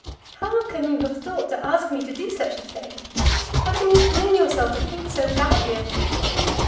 "How can you have thought to ask me to do such a thing? How can you bring yourself to think so badly of people?